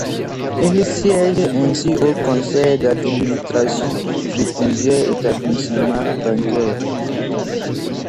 Il siège ainsi au conseil d'administration de plusieurs établissements bancaires.